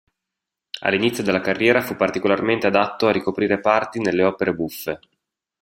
All'inizio della carriera fu particolarmente adatto a ricoprire parti nelle opere buffe.